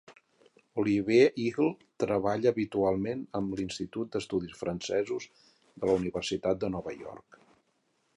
Olivier Ihl treballa habitualment amb l'Institut d'Estudis Francesos de la Universitat de Nova York.